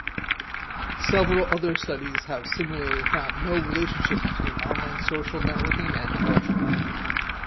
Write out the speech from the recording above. Several other studies have similarly found no relationship between online social networking and depression.